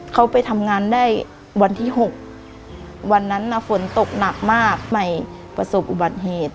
เขาไปทำงานได้วันที่๖วันนั้นน่ะฝนตกหนักมากใหม่ประสบอุบัติเหตุ